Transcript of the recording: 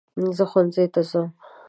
زه ښونځي ته ځم.